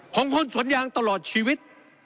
ของคนสวนยางตลอดชีวิต